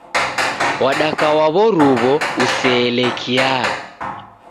Wadaka wa w'oruw'o useelekia.